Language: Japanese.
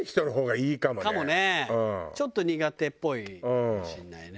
ちょっと苦手っぽいかもしれないね。